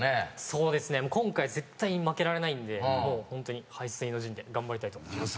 そうですね今回絶対負けられないんでホントに背水の陣で頑張りたいと思います。